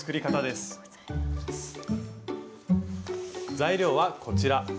材料はこちら。